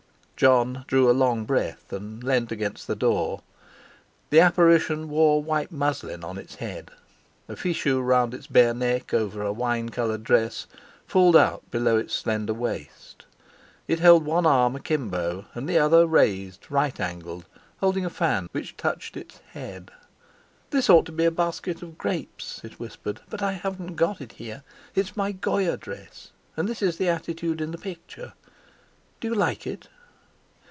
Jon drew a long breath and leaned against the door. The apparition wore white muslin on its head, a fichu round its bare neck over a wine coloured dress, fulled out below its slender waist. It held one arm akimbo, and the other raised, right angled, holding a fan which touched its head. "This ought to be a basket of grapes," it whispered, "but I haven't got it here. It's my Goya dress. And this is the attitude in the picture. Do you like it?"